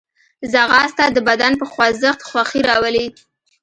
ځغاسته د بدن په خوځښت خوښي راولي